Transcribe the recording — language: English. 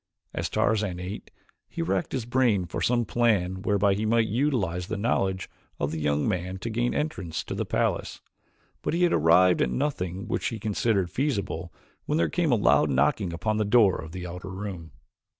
As Tarzan ate he racked his brain for some plan whereby he might utilize the knowledge of the young man to gain entrance to the palace, but he had arrived at nothing which he considered feasible when there came a loud knocking upon the door of the outer room.